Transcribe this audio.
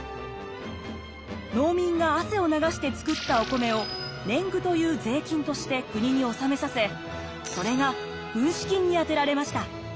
農民が汗を流して作ったお米を年貢という税金として国に納めさせそれが軍資金に充てられました。